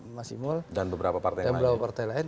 mas imul dan beberapa partai lain